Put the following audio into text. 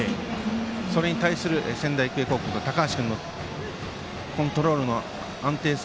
それに対する仙台育英高校の高橋君のコントロールの安定性。